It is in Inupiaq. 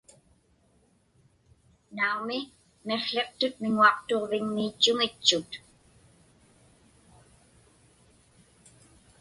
Naumi, miqłiqtut miŋuaqtuġviŋmiitchuŋitchut.